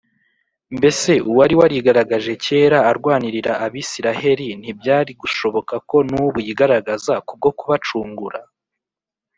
. Mbese uwari warigaragaje kera arwanirira Abisiraheli ntibyari gushoboka ko n’ubu yigaragaza ku bwo kubacungura?